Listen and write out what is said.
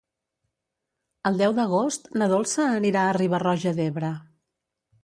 El deu d'agost na Dolça anirà a Riba-roja d'Ebre.